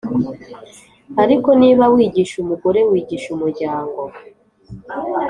ariko niba wigisha umugore wigisha umuryango